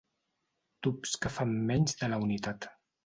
Tubs que fan menys de la unitat.